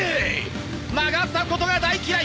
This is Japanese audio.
曲がったことが大嫌い！